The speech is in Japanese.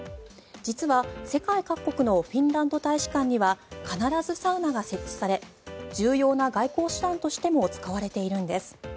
実は、世界各国のフィンランド大使館には必ずサウナが設置され重要な外交手段としても使われているんです。